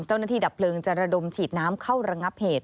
ดับเพลิงจะระดมฉีดน้ำเข้าระงับเหตุ